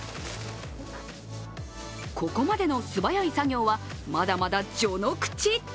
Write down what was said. ここまでの素早い作業はまだまだ序の口。